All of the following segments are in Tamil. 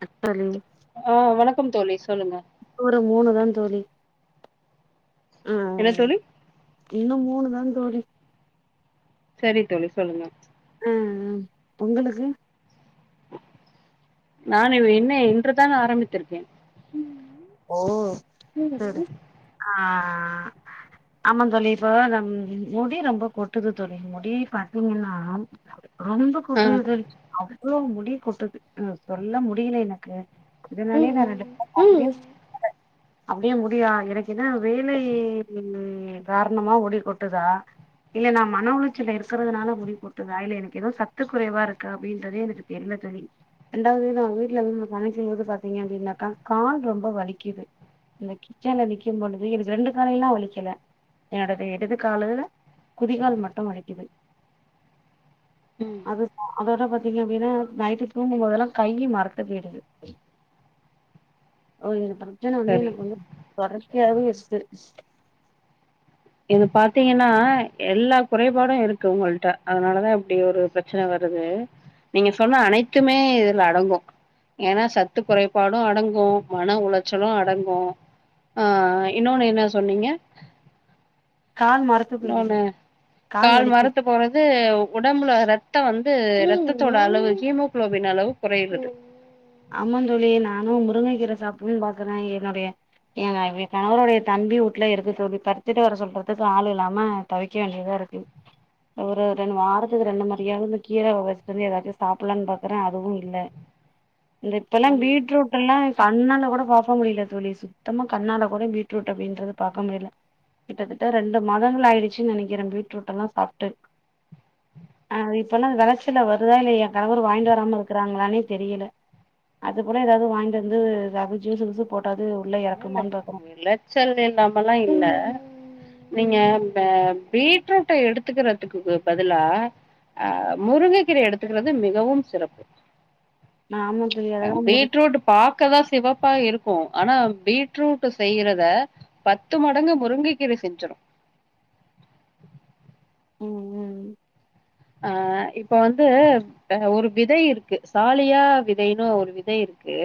[unintelligible] தோழி க்கம் தோழி சொல்லுங்க ஒரு மூணுதா தோழி என்ன உம் தோழி இன்னும் மூணுதா தோழி சரி தோழி சொல்லுங்க ம் ம் உங்களுக்கு நானு என்ன இன்றுதா ஆரம்பித்திருக்கே ம் ஓ சரி ஆஹ் ஆஹ் ஆமா தோழி இப்ப நம் முடி ரொம்ப கொட்டுது தோழி முடி பாத்தீங்கன்னா ரொம்ப ஆ [unintelligible] அது அவ்ளோ முடி கொட்டுது ஆ சொல்ல முடியல எனக்கு அதனாலே நா ம் [unintelligible] அப்டியே முடியா இறக்கிது வேலை காரணமா முடி கொட்டுதா இல்ல நான் மன உளிச்சல இருக்கறிறதுனால முடி கொட்டுதா இல்ல எனக்கு ஏதோ சத்து குறைவா இருக்கு அப்டின்றதே எனக்கு தெரியல தோழி ரெண்டாவது நான் வீட்டுல இருந்து கணக்கு வந்து பாார்த்தீங்க அப்டின்னாக்கா கால் ரொம்ப வலி க்கிது இந்த கிச்சன்ல நிக்கும் பொழுது எனக்கு ரெண்டு காலெல்லாம் வலிக்கல என்னோடது இடது காலு குதிகால் மட்டும் வலிக்குது அது அதோட பத்த இதைவிட நைட்டு தூங்கும் போதெல்லாம் கையில் மறத்து போகுது பிரஜனை வந்து சரி எனக்கு [inaudible] [unintelligible] இது பாத்தீங்கன்னா எல்லா குறைபாடும் இருக்கு உங்கள்ட அதனாலதான் இப்டி ஒரு பிரச்சனை வருது நீங்க சொன்ன அனைத்துமே இதுல அடங்கும் ஏன்னா சத்து குறைபாடும் அடங்கும் மன உளைச்சலும் அடங்கும் ஆஹ் இன்னொன்னு என்ன சொன்னீங்க கால் மரத்து போயிடுது நொண்ணு கால் மரத்து போறது உடம்புல ரத் ரத்தம் வந்து ரத்தத்தோட அளவு ஹீமோகுளோபின் அளவு கொறைறது ஆமா தோழி நானும் முருங்கை கீரை சாப்பிடணன்னு பாக்குறேன் என்னுடைய என் கணவருடைய தம்பி வீட்ல இருக்கு த சொல்லி பருத்திட்டு வர சொல்றதுக்கு ஆள இல்லாம துவக்க வேண்டியதா இருக்கு ஒரு ரெண்டு வாரத்துக்கு ரெண்டு மாரியாவது இந்த கீரை வச்சுட்டு வந்து எதாச்சும் சாப்பிடலாம்னு பாக்குறேன் அதுவும் இல்ல இந்த இப்பெல்லாம் ம் பீட்ரூட் எல்லாம் கண்ணால கூட பாக்க முடியல தோழிஸ் சுத்தமா கண்ணால கூட பீட்ரூட் அப்படின்றது பாக்க முடியல கிட்டத்தட்ட ரெண்டு மதங்களா ஆயிடுச்சுனு நினைக்கிறேன் பீட்ரூட் எல்லாம் சாப்பிட்டு இப்பெல்லாம் விளைச்சல வருதா இல்லை என் கணவரு வாங்கிட்டு வராம இருக்கிறாங்களானே தெரியல அது போற ஏதாவது வாங்கி ந்து ரவி ஜசு கிசு போட் இல்ல விளச்சல் இல்லாமலாம் இல்ல நீங்க பீட்ரூட்டை எடுத்துக்கிறதுக்கு பதிலா அ முருங்கைக்கீரை எடுத்துக்கிறது மிகவும் சிறப்பு நாம தோழி அததா முடி பீட்ரூட் பாகதான் சிவப்பா இருக்கும் [inaudible] ஆனா பீட்ரூட் செய்றத பத்து மடங்கு முருங்கைக்கிர செஞ்சிடும் ம் ம் ஆ இப்ப வந்து ஒரு விதை இருக்கு சாலியா விதைன்னு ஒரு விதை இருக்கு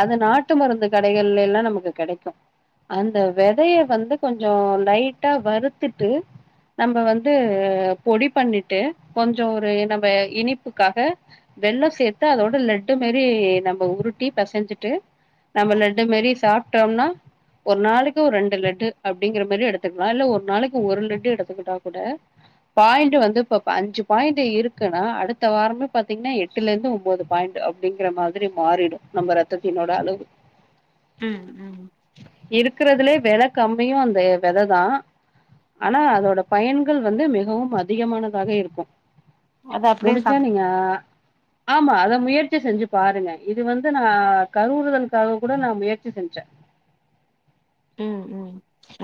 அது நாட்டு மருந்து கடைகள் எல்லாம் நமக்கு கெடைக்கும் அந்த விதைய வந்து கொஞ்சம் லைட்டா வருறுத்தட்டு நம்ம வந்து பொடி பண்ணி டே கொஞ்சம் ஒரு நம்ம இனிப்புக்காக வெள்ளம் சேர்த்து அதோட லட்டு மரி நம்ம உருட்டி பசஞ்சிட்டு நம்ம லட்டு மரி சாப்பிட்டோம்னா ஒரு நாளைக்கு ஒரு ரெண்டு லட்டு அப்டிங்கிற மாதிரி எடுத்துக்கலாம் இல்ல ஒரு நாளைக்கு ஒரு லட்டு எடுத்துக்கிட்டா கூட பாயிண்ட வந்து ப்பப் இ அஞ்சு பாயிண்ட் இருக்குன்னா அடுத்த வாரமே பாத்தீங்கன்னா எட்டுல இருந்து ஒன்பது பாயிண்ட் அப்டிங்கிற மாரி மாறிடும் நம்ம ரத்தத்தினோட அளவு உம் உம் வில கம்மியும் அந்த விதை தான் ஆனா அதோட பயன்கள் வந்து மிகவும் அதிகமான [inaudible] இருக்கும் அது அப்டியே முடிச்ச சாப் நீங்க ஆமா அத முயற்சி செஞ்சு பாருங்க இது வந்து நான் கருவுறுதல் காக கூட நான் முயற்சி செஞ்சேன்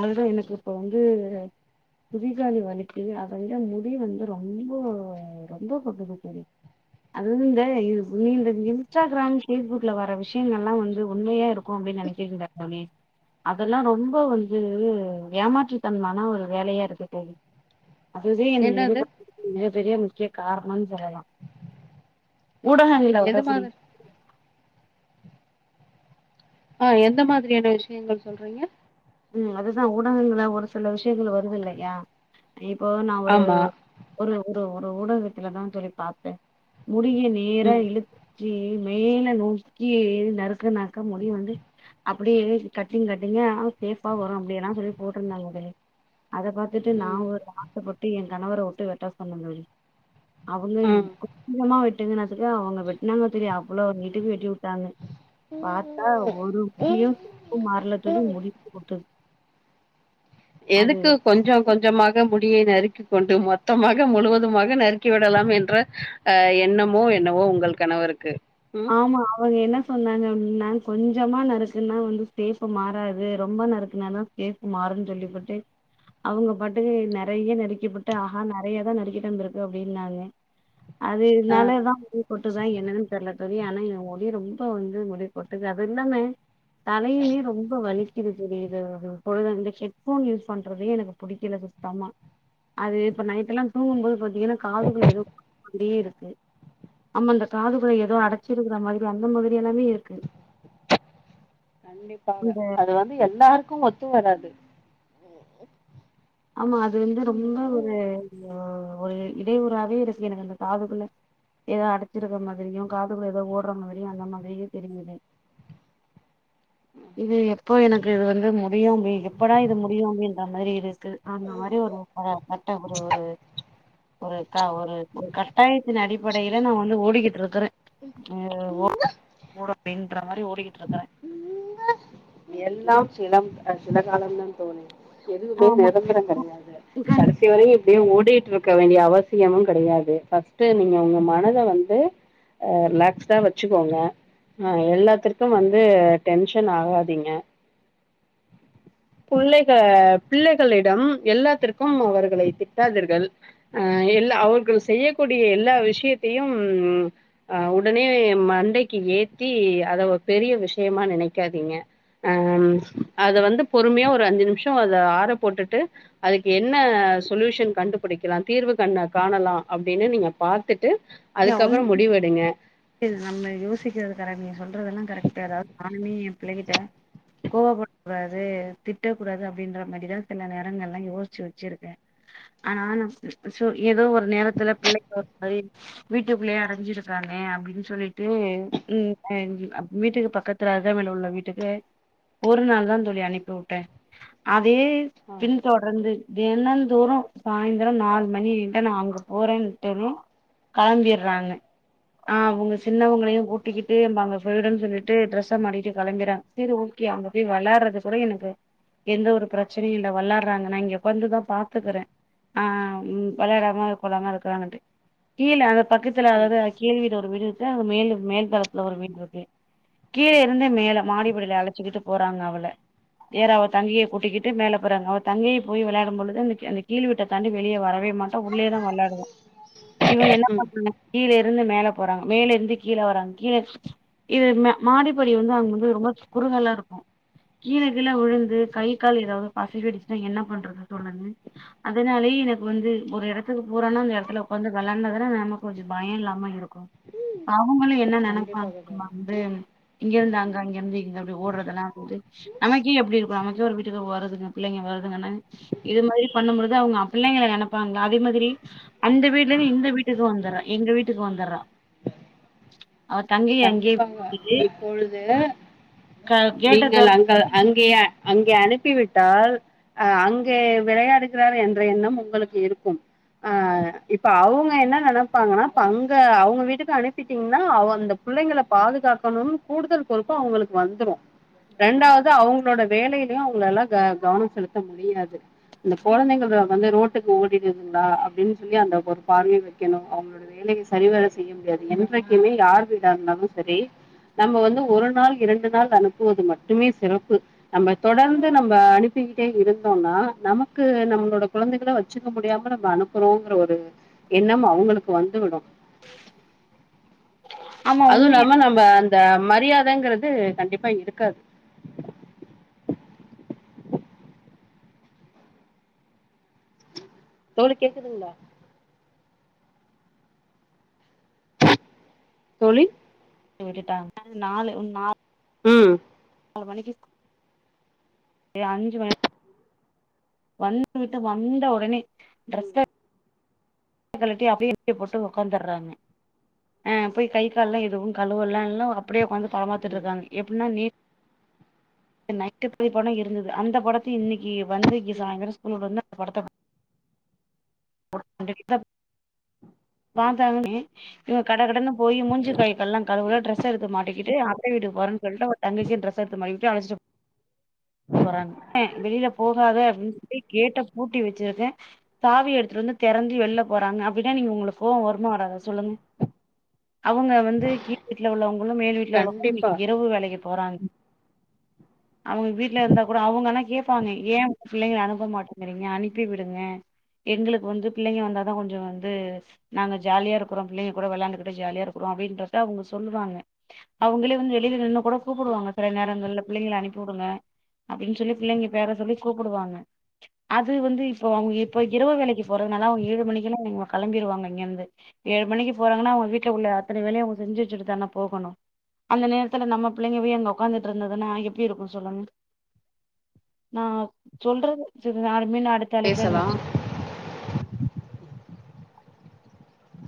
அது தா எனக்கு இப்ப வந்து குதிகாலி வலக்கு அதட முடி வந்து ரொம்ப ரொம்ப கொட்டுது அதுந்து இந்த ரீல் இந்த இன்ஸ்டாகிராம் பேஸ்புக்ல வர விஷயங்கள் எல்லாம் வந்து உண்மையா இருக்கும் அப்படின்னு நினைக்கக்கா சொி அதெல்லாம் ரொம்ப வந்து இது ஏமாற்றுத்தன்மான ஒரு வேலையா இருக்கு தோழி என்னது [unintelligible] இைய முக்கிய காரணம் சொல்லலாம் ஊட ஆங்கல உட எது குடி மாதிரி அஹ் எந்த மாதிரியான விஷயங்கள் சொல்றீங்க ம் அதுதான் ஊடகங்களல ஒரு சில விஷயங்கள் வருது இல்லையா இப்போ நான் ஒரு ஆமா ஒரு ஒரு ஒரு ஊடகத்துல தான் தோழி பார்த்தேன் முடிய நேரா ம் இழு ப்டி மேல நோக்கி நறுக்குனாக்கா முடி வந்து அப்படியே கட்டிங் கட்டிங்கா சேஃபா வரும் அப்டியெல்லாம் சொல்லி போட்டிருந்தாங்க உங்களே அதை பாத்துட்டு நான் ம் ஒரு ஆசைப்பட்டு எங்க கணவர உட்டு வெட்ட சொன்னந் [unintelligible] அவங்க ம் கொஞ்சமா விங்கனாதுக்கு அவங்க வெட்டினாங்க திரீ அவ்ளோ நீட்டுக்குவெட்டி உட்டாங்க பாத்தா ஒரு முடியும் சப்பு மாறல சொல்லி முடிச்ச எதுக்கு கொஞ்சம் கொஞ்சமாக முடிய நறுக்கி கொண்டு மொத்தமாக முழுவதுமாக நறுக்கி விடலாம் என்ற அஹ் எண்ணமோ என்னவோ உங்கள் கணவருக்கு ம் ஆமா அவக என்ன சொன்னாங்க ஒன்ன கொஞ்சமா நறுக்குன்னா வந்து சேப்ப மாறாது ரொம்ப நறுக்குனாதான் சேப்பு மாறன்னு சொல்லிபுட்டு அவங்க பாட்டு நிறைய நறுக்கப்புட்டு அஹா நிறைய தான் நறுக்கட்ட இருக்கு அப்படின்னாங்க அது ஆ இதனாலதான் உ போட்டுதான் என்னன்னு தெரல ரிய ஆனா என் முடி ரொம்ப வந்து முடி கொட்டுது அது இல்லாமே தலையுமே ரொம்ப வலிக்குது தெரியது பொழுத ஹெட்போன் யூஸ் பண்றதே எனக்கு பிடிக்கல சுத்தமா அது இப்ப நைட்டலாம் தூங்கும் போது ஏன்னா காதுகள் [unintelligible] [unintelligible] காதுகுள்ள ஏதோ அட மாதிரி அந்த மாதிரி எல்லாமே இருக்கு கண்டிப்பாக இந்த அது வந்து எல்லாருக்கும் ஒத்து வராது ஆமா அது வந்து ரொம்ப ஒரு உம் ஒரு இடையூறாவே இருக்கு எனக்கு அந்த காதுகள்ள ஏதோ அடைச்சிருக்க மாதிரியும் காதுகுள்ள ஏதோ ஓடுற மாதிரியும் அந்த மாதிரியும் தெரியுது இது எப்போ எனக்கு இது வந்து முடியும் அ எப்படா இது முடியும் அப்டின்ற மாதிரி இருக்கு அந்த மாரி ஒரு கட்ட ஒரு ஒரு ஒருக்க ஒரு ஒரு கட்டாய அடிப்படையில நான் வந்து ஓடிகிட்டுருக்குறேன் அப்படின்ற மாரி ஓடிகிட்டுருக்கிறேன் எல்லாம் சிலம் [unintelligible] இந்த காலந்தான் தோன எதுவுமே ஆமா நிரந்தரம் கெடையாது கண்டிப்பா கடைசி வரையும் டிய ஓடிட்டு இருக்க வேண்டிய அவசியமும் கெடையாது ஃபர்ஸ்ட் நீங்க உங்க மனத வந்து ரிலாக்ஸ்டா வச்சுக்கோங்க எல்லாத்திர்கும் வந்து டென்சன் ஆகாதி அதிங்க புள்ளக பிள்ளைகளிடம் எல்லாத்திற்கும் அவர்களை திட்டாதீர்கள் அஹ் எல்ல அவர்கள் செய்யக்கூடிய எல்லா விஷயத்தையும் அஹ் உடனே மண்டைக்கு ஏத்தி அத ஒரு பெரிய விஷயமா நெனைக்காதீங்க அஹ் அத வந்து பொறுமையா ஒரு அஞ்சு நிமிஷம் அத ஆற போட்டுட்டு அதுக்கு என்ன சொல்யூஷன் கண்டுபுடிக்கலாம் தீர்வு கண்ண காணலாம் அப்படின்னு நீங்க பாத்துட்டு அதுக்கபபறம் முடிவெடுங்க சரி நம்ம யோசிக்கிறது கர நீங்க சொல்ல அதெல்லாம் கரெக்ட்டா [unintelligible] பிள்ளகிட்ட கோவப்படக் கூடாது திட்டக்கூடாது அப்டின்ற மாதிரிதான் சில நேரங்கள் எல்லாம் யோசிச்சு வச்சிருக்கேன் ஆனா ஏதோ ஒரு நேரத்துல பிள்ளை [unintelligible] மாதிரி வீட்டுக்குள்ளையே அடஞ்சிருக்காங்க [unintelligible] அப்டின்னு சொல்லிட்டு [unintelligible] வீட்டுக்கு பக்கத்துல அருகாமைல உள்ள வீட்டுக்கு ஒரு நாள் தான் தோழி அனுப்பியுட்டேன் அதே ஆ பின் தொடர்ந்து தினந்தோறும் சாய்ந்தரம் நாலு மணிட்ட நான் அங்க போறேன்ட்டு களம்பிடுறாங்க ஆஹ் அவங்க சின்னவங்களையும் கூட்டிக்கிட்டு நாங்க செய்ரோனு சொல்லிட்டு ட்ரெஸ் மாட்டிடு கிளம்பறாங்க சரி ஓகே அவங்க போய் விளையாடுறது கூட எனக்கு எந்த ஒரு பிரச்சனையும் இல் விளையாடுறாங்க நான் இங்க கொந்துதான் பாத்துக்கறேன் ஆஹ் விளையாடாம இரு கொள்ளாம இருக்கறாங்கட்டு கீழ அந்த பக்கத்துல ம் அதாவது கீழ்வீடு ஒரு வீடு இருக்கு அந்த மேல மேல் தலத்துல ஒரு வீடு இருக்கு கீழே இருந்தே மேல மாடிபடில அழைச்சுக்கிட்டு போறாங்க அவள வேற அவள் தங்கையை கூட்டிக்கிட்டு மேலே போறாங்க அவள் தங்கையை போய் விளையாடும் பொழுது அவ அந்த கீழ் வீட்ட தாண்டி வெளியே வரவே மாட்டா உள்ளேயேதான் விளையாடுவா இவங்க என்ன ம் [unintelligible] [unintelligible] மேல போறாங்க மேலர்ந்து கீழ வராங்க கீழ கீழ மா மாடி படி வந்து அவங்க வந்து ரொம்ப குறுகலா இருக்கும் கீழ கீழ விழுந்து கை கால் ஏதாவது பேசகிருசினா என்ன பண்றது தோழரே அதனாலயே எனக்கு வந்து ஒரு எடத்துக்கு போறானா அந்த எடத்துல உக்காந்து வெலான்டா தான [unintelligible] கொஞ்சம் பயம் இல்லாம இருக்கும் மா இருக்கும் [unintelligible] அவங்களும் என்ன நெனப்பா கண்டிப்பாக நம்ம தோழி வந்து இங்க இருந்து அங்க அங்க இருந்து அப்படி ஓடுறதுெல்லாம் வந்து நமக்கே எப்படி இருக்கும் நமக்கு ஒரு வீட்டுக்கு வரதுக்கு பிள்ளைங்க வருதுங்க இது மாதிரி பண்ணும்பது அவங்க பிள்ளைங்க நினைப்பாங்கள அதே மாதிரி அந்த வீட்டுல இருந்து இந்த வீட்டுக்கு வந்தறாஎங்க வீட்டு வீட்டுக்கு வந்தறா கண்டிப்பாங்க இப்பொழுது க கேட்ட நீங்கள் தொற அங்க அங்கேயே அங்கய அனுப் ப்பி விட்டால் அ அங்கே விளையாடுகிறார் என்ற எண்ணம் உங்களுக்கு இருக்கும் அஹ் இப்ப அவங்க என்ன நெனைப்பாங்கன்னா இப்ப அங்க அவங்க வீட்டுக்கு அனுப்பிட்டீங்கன்னா அந்த புள்ளைங்கள பாதுகாக்கணுன்னு கூடுதல் பொறுப்பு அவங்களுக்கு வந்துரு ரெண்டாவது அவங்களோட வேலையிலயு அவங்களால க கவனம் செலுத்த முடியாது இந்த கொழந்தைங்க வந்து ரோட்டுக்கு ஓடிடுதுங்களா அப்டின்னு சொல்லி அந்த ஒரு பார்வையு வைக்கணு அவங்களோட வேலைய சரிவர செய்ய முடியாது என்றைக்குமே யாரு [unintelligible] இருந்தாலும் சரி நம்ம வந்து ஒரு நாள் இரண்டு நாள் அனுப்புவது மட்டுமே சிறப்பு நம்ம தொடர்ந்து நம்ம அனுப்பிக்கிட்டே இருந்தோம்னா நமக்கு நம்மளோட குழந்தைக வச்சுக்க முடியாம நம்ம அனுப்புறோங்கிற ஒரு எண்ணம் அவங்களுக்கு வந்து விடும் ஆமா அதுவு உண்மையா இல்லாம நம்ம இந்த மரியாதங்கிறது கண்டிப்பா இங்க இருக்காது தோழி கேக்குதுங்களா தோழி விட்டுட்டாங் நாலு நா ம் நாலு [unintelligible] மணிக்கு அஞ்சு மணி வந்து விட்டு வந்த உடனே டிரெஸ்ஸ கழட்டி அப்டியே [unintelligible] போட்டு உக்காந்தர்றாங்க ஆஹ் போய் கை கால் எல்லா எதுவும் கழுவல்லா இல்ல லாம் அப்டியே உக்காந்து படம் ம் பாத்துட்ருக்காங்க எப்டின்னா நீட் [unintelligible] இருந்தது அந்த படத்த இன்னைக் [unintelligible] வந்து இங்க ம் சாய்ந்தரோ ஸ்கூலு [unintelligible] படத்த பா [inaudible] பாத்தாங்கன்னே இவ கட கடன்னு போய் மூஞ்சி கை காலெல்லா கழுவுறா டிரெஸ் எடுத்து மாட்டிக்கிட்டு அத்த வீட்டுக்கு போறேன்னு சொல்ட்டு அவ தங்கச்சியும் டிரெஸ் எடுத்து மாட்டிட்டு அழைச்சிட்டு போறாங்க வெளியில போகாத அப்டின்னு சொல்லி கேட்ட பூட்டி வச்சிருக்கே சாவி எடுத்துட்டு வந்து தெறந்து வெளில போறாங்க அப்டின்னா நீங்க உங்களுக்கு கோவோ வருமா வராதா சொல்லுங்க அவங்க வந்து கீழ் வீட்டுல உள்ளவங்களும் மேல் வீட்டுல உள்ளவங்களும் இன்னைக்கு கண்டிப்பா இரவு வேலைக்கு போறாங் அவங்க வீட் ல்ல இருந்தா கூட அவங்கல்லா கேப்பாங்க ஏன் பிள்ளைங்க அனுப்ப மாட்டேங்கறீங்க அனுப்பி விடுங்க எங்களுக்கு வந்து பிள்ளைங்க வந்தாதா கொஞ்ச வந்து நாங்க ஜாலியா இருக்றோ பிள்ளைங்க கூட வெளையாண்டுக்கிட்டு ஜாலியா இருக்குறோ அப்டின்றத அவங்க சொல்லுவாங்க அவங்களே வந்து வெளில நின்னு கூட கூப்டுவாங்க சில நேரங்கள பிள்ளைங்கள அனுப்பி உடுங்க அப்டின்னு சொல்லி பிள்ளைங்க பேர சொல்லி கூப்டுவாங்க அது வந்து இப்ப அவங்க இப்ப இரவு வேலைக்கு போறதுனால அவுங்க ஏழு மணிக்கெலாம் அவங்க கிளம்பிடுவாங்க இங்க இருந்து ஏழு மணிக்கு போறாங்கன்னா அவுங்க வீட்டுல உள்ள அத்தனை வேலையும் அவுங்க செஞ்சு வச்சுட்டு தானே போகணும் அந்த நேரத்துல நம்ம பிள்ளைங்க போய் அங்க உக்காந்துட்டு இருந்ததுன்னா எப்டி இருக்கும் சொல்லுங்க நான் சொல்றது அருமன் அடுத்தலைப்பு நம்ம பேசலா [unintelligible]